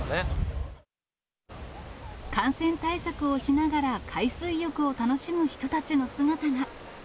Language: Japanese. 感染対策をしながら、海水浴を楽しむ人たちの姿が。